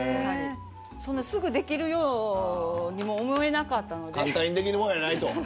すぐにできるようにも思えなかったので。